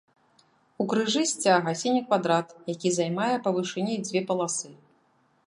У крыжы сцяга сіні квадрат, які займае па вышыні дзве паласы.